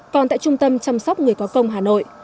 còn tại trung tâm chăm sóc người có công hà nội